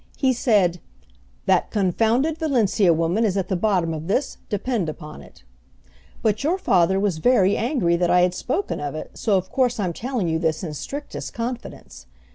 He said, 'That confounded Valencia woman is at the bottom of this, depend upon it.' But your father was very angry that I had spoken of it, so of course I'm telling you this in strictest confidence.